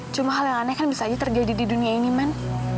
cuma hal yang aneh kan bisa aja terjadi di dunia ini man